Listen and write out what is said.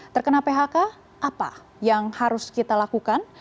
terkena phk apa yang harus kita lakukan